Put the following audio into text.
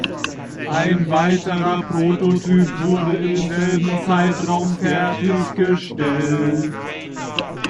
Ein weiterer Prototyp wurde im selben Zeitraum fertiggestellt.